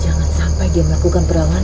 jangan sampai dia melakukan perangan